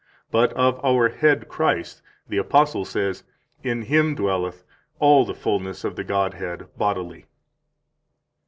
But of our Head, Christ, the apostle says: In Him dwelleth all the fullness of the Godhead bodily."